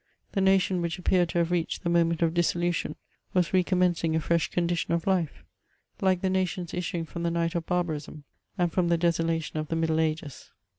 The nation which appeared to have reacned the moment of dissolution, was re commencing a fresh condition of life ; like the nations issuing from the night of barbarism, and from the desolation of the middle ages.